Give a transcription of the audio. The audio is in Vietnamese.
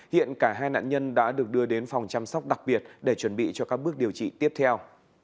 hiện cả hai nạn nhân đã được đưa đến phòng chăm sóc đặc biệt để chuẩn bị cho các bước điều trị tiếp theo